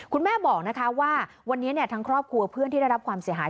คุณแม่บอกนะคะว่าวันนี้ทั้งครอบครัวเพื่อนที่ได้รับความเสียหาย